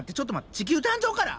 地球誕生から？